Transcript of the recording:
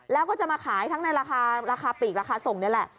แล้วก็จะมาขายทั้งในราคาราคาปีกราคาส่งนี่แหละ